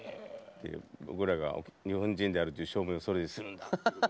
僕らが日本人であるという証明をそれでするんだって。